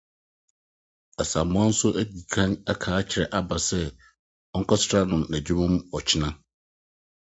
Asamoah nso adi kan aka akyerɛ Aba sɛ ɔnkɔsra no wɔ n'adwumam ɔkyena.